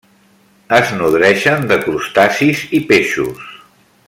Es nodreixen de crustacis i peixos.